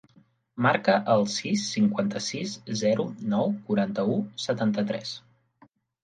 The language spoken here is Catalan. Marca el sis, cinquanta-sis, zero, nou, quaranta-u, setanta-tres.